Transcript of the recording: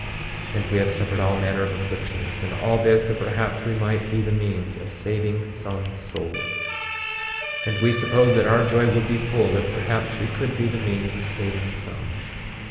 26:30 And we have suffered all manner of afflictions, and all this, that perhaps we might be the means of saving some soul; and we supposed that our joy would be full if perhaps we could be the means of saving some.